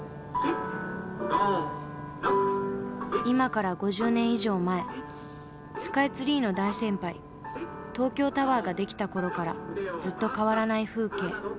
今から５０年以上前スカイツリーの大先輩東京タワーが出来た頃からずっと変わらない風景。